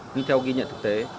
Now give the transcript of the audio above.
nhưng theo ghi nhận thực tế